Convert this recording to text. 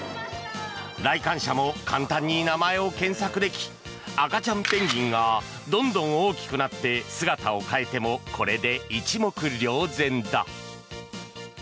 来館者も簡単に名前を検索でき赤ちゃんペンギンがどんどん大きくなって姿を変えてもこれで一目瞭然だ。